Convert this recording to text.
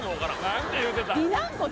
何て言うてた？